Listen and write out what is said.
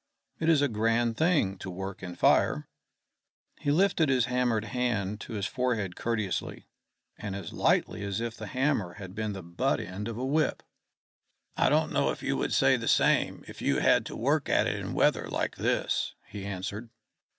It is a grand thing to work in fire." He lifted his hammered hand to his forehead courteously, and as lightly as if the hammer had been the butt end of a whip. "I don't know if you would say the same if you had to work at it in weather like this," he answered.